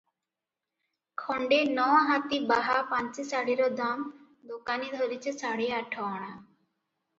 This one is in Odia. ଖଣ୍ଡେ ନ'ହାତି ବାହା ପାଞ୍ଚି ଶାଢ଼ୀର ଦାମ ଦୋକାନି ଧରିଛି ସାଢେ ଆଠଅଣା ।